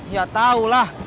ya tau lah